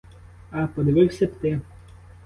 А, подивився б ти!